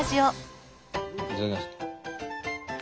いただきます。